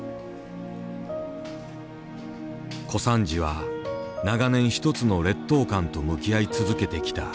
小三治は長年一つの劣等感と向き合い続けてきた。